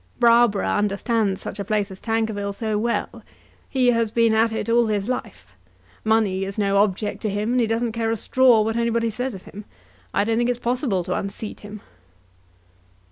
"Browborough understands such a place as Tankerville so well! He has been at it all his life. Money is no object to him, and he doesn't care a straw what anybody says of him. I don't think it's possible to unseat him."